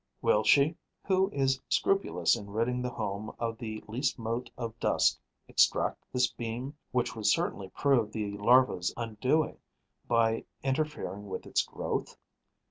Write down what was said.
Will she, who is scrupulous in ridding the home of the least mote of dust, extract this beam, which would certainly prove the larva's undoing by interfering with its growth?